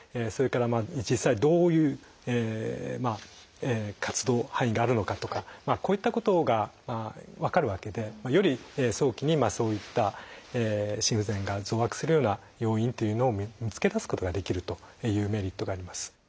それから実際どういう活動範囲があるのかとかこういったことが分かるわけでより早期にそういった心不全が増悪するような要因というのを見つけ出すことができるというメリットがあります。